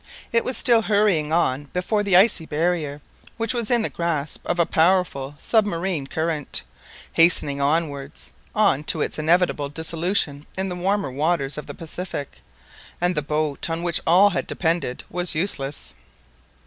It was still hurrying on before the icy barrier, which was in the grasp of a powerful submarine current, hastening onwards on to its inevitable dissolution in the warmer waters of the Pacific, and the boat on which all had depended was useless!